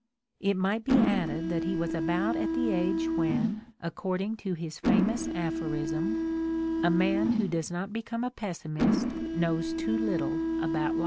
It might be added that he was about at the age when, according to his famous aphorism, a man who does not become a pessimist knows too little about life.